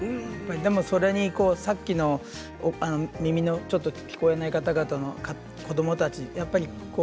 でも、それに、さっきの耳のちょっと聞こえない方々の子どもたち。